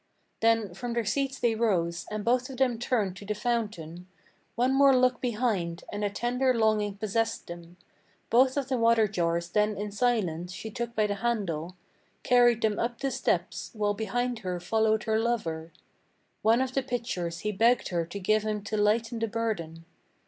Then from their seats they rose, and both of them turned to the fountain One more look behind, and a tender longing possessed them. Both of the water jars then in silence she took by the handle, Carried them up the steps, while behind her followed her lover. One of the pitchers he begged her to give him to lighten the burden.